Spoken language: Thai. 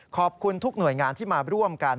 ขอบคุณทุกหน่วยงานที่มาร่วมกัน